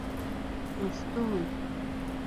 مستونگ